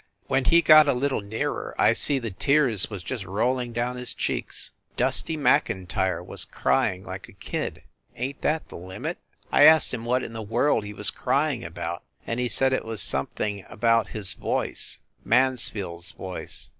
When he got a little nearer I see the tears was just rolling down his cheeks. Dusty Mc Intyre was crying like a kid ! Ain t that the limit ? I asked him what in the world he was crying about, and he said it was something about his voice Mansfield s voice.